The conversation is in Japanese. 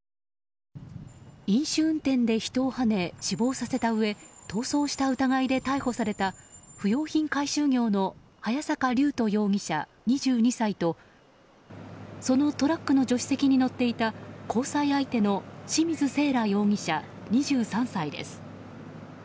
飲酒運転で人をはね死亡させた疑いで逃走した疑いで逮捕された不用品回収業の早坂龍斗容疑者、２２歳とそのトラックの助手席に乗っていた交際相手の清水せいら容疑者、２３歳です。